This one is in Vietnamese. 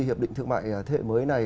hiệp định thương mại thế hệ mới này